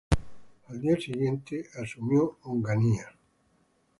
Al día siguiente asumió Onganía.